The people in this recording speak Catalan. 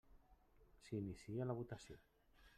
S'inicia la votació.